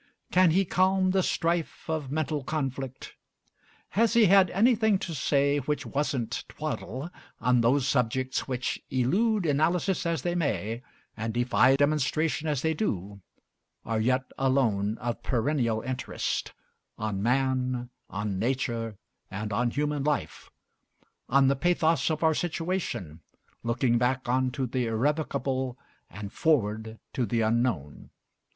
Can he calm the strife of mental conflict? Has he had anything to say which wasn't twaddle on those subjects which, elude analysis as they may, and defy demonstration as they do, are yet alone of perennial interest "On man, on nature, and on human life," on the pathos of our situation, looking back on to the irrevocable and forward to the unknown?